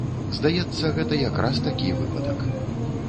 Здаецца, гэта як раз такі выпадак.